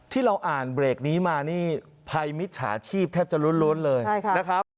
ที่เราอ่านเบรกนี้มานี่ภัยมิจฉาชีพแทบจะล้วนเลยนะครับ